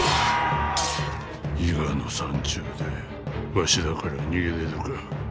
伊賀の山中でわしらから逃げれるか。